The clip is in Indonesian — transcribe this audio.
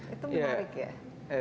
itu menarik ya